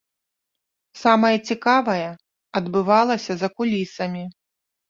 Самае цікавае адбывалася за кулісамі.